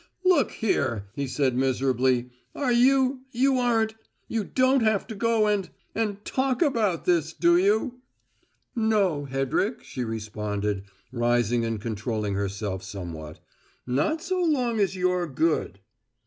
"Look here," he said miserably, "are you you aren't you don't have to go and and talk about this, do you?" "No, Hedrick," she responded, rising and controlling herself somewhat. "Not so long as you're good."